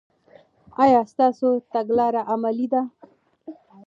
آیا ستاسو تګلاره عملي ده؟